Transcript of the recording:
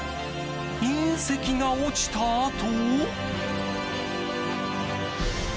隕石が落ちた跡？